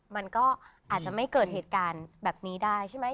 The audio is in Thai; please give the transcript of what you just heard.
มันก็อาจจะไม่เกิดเหตุการณ์แบบนี้ได้ใช่ไหม